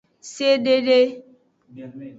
Sedede.